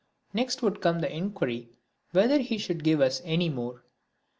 Next would come the inquiry whether he should give us any more.